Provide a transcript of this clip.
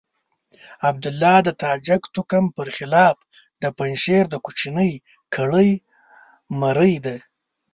عبدالله د تاجک توکم پر خلاف د پنجشير د کوچنۍ کړۍ مرۍ ده.